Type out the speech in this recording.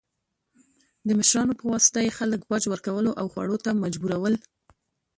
د مشرانو په واسطه یې خلک باج ورکولو او خوړو ته مجبورول.